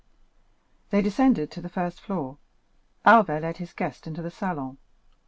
They descended to the first floor; Albert led his guest into the salon.